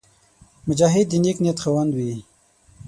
مجاهد د نېک نیت خاوند وي.